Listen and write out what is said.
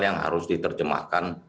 yang harus diterjemahkan